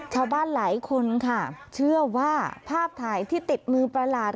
ชาวบ้านหลายคนค่ะเชื่อว่าภาพถ่ายที่ติดมือประหลาด